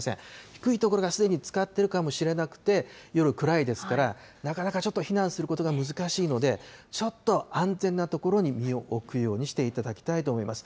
低い所がすでにつかっているかもしれなくて、夜、暗いですから、なかなかちょっと避難することが難しいので、ちょっと安全な所に身を置くようにしていただきたいと思います。